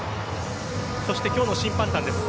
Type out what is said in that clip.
そして今日の審判団です。